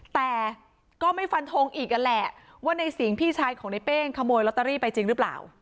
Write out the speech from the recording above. แต่ก็ไม่ฟันทงอีกนั่นแหละว่าในสิงห์พี่ชายของในเป้งขโมยลอตเตอรี่ไปจริงหรือเปล่า